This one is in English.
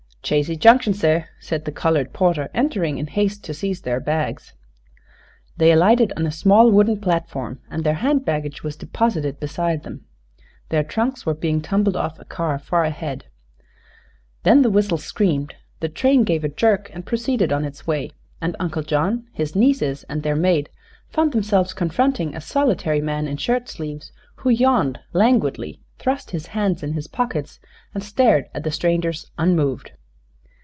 "Chazy Junction, seh," said the colored porter, entering in haste to seize their bags. They alighted on a small wooden platform and their hand baggage was deposited beside them. Their trunks were being tumbled off a car far ahead. Then the whistle screamed, the train gave a jerk and proceeded on its way, and Uncle John, his nieces and their maid, found themselves confronting a solitary man in shirtsleeves, who yawned languidly, thrust his hands in his pockets and stared at the strangers unmoved.